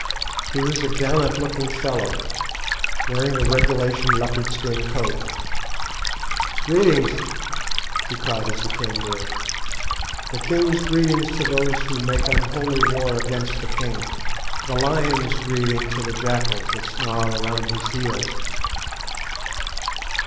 He was a gallant looking fellow, wearing the regulation leopard skin cloak. "Greeting!" he cried, as he came; "the king's greeting to those who make unholy war against the king; the lion's greeting to the jackals that snarl around his heels."